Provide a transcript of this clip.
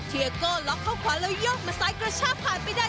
เทียโก้หลักเข้าขวาแล้วยกมาซ้ายกระชะภาคไปได้